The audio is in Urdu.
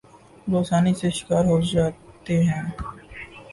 اور آسانی سے شکار ہو جاتے ہیں ۔